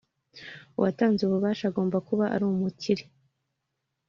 uwatanze ububasha agomba kuba ari umukire